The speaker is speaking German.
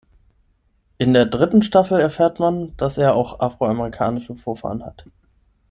In der dritten Staffel erfährt man, dass er auch afroamerikanische Vorfahren hat.